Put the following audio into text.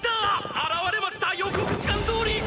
現れました予告時間どおり！